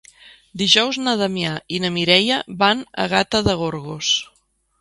Dijous na Damià i na Mireia van a Gata de Gorgos.